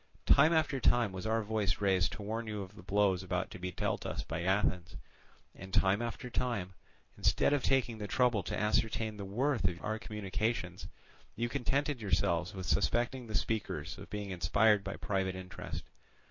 Time after time was our voice raised to warn you of the blows about to be dealt us by Athens, and time after time, instead of taking the trouble to ascertain the worth of our communications, you contented yourselves with suspecting the speakers of being inspired by private interest.